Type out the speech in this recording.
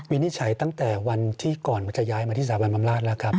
นิจฉัยตั้งแต่วันที่ก่อนจะย้ายมาที่สถาบันบำราชแล้วครับ